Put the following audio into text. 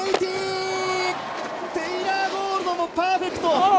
テイラー・ゴールドもパーフェクト。